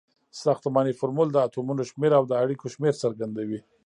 ساختمانی فورمول د اتومونو شمیر او د اړیکو شمیر څرګندوي.